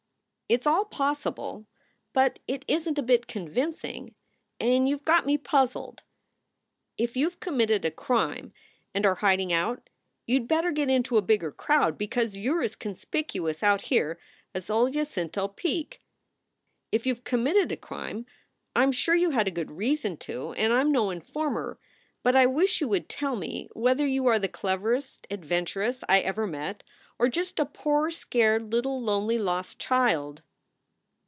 "It s all possible, but it isn t a bit convincing, and you ve got me puzzled. If you ve committed a crime and are hiding out you d better get into a bigger crowd, because you re as conspicuous out here as old San Jacinto peak. If you ve committed a crime, I m sure you had a good reason to and I m no informer. But I wish you would tell me whether you are the cleverest adventuress I ever met or just a poor scared little lonely lost child."